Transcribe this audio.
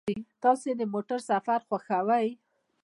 تاسو د موټر سفر خوښوئ؟